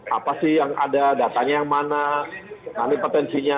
apa sih yang ada datanya yang mana nanti potensinya